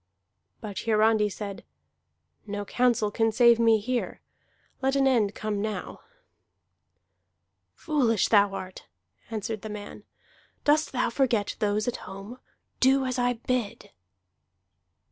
But Hiarandi said: "No counsel can save me here. Let an end come now." "Foolish art thou," answered the man. "Dost thou forget those at home? Do as I bid!"